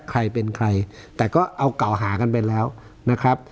ใครเป็นใครแต่ก็เอาเก่าหากันไปแล้วนะครับ